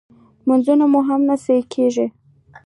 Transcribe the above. لمونځ مو هم نه صحیح کېږي